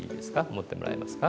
持ってもらえますか？